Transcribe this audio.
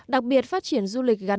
đặc biệt phát triển du lịch gắn